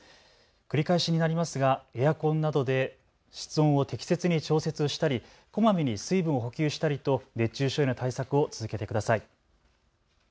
繰り返しになりますがエアコンなどで室温を適切に調節したりこまめに水分を補給したりと熱中症への対策を続けてください。